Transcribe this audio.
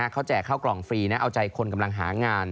เขาแจกข้าวกล่องฟรีนะเอาใจคนกำลังหางาน